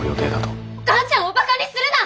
お母ちゃんをバカにするな！